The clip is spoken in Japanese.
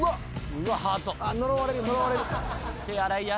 うわっハート。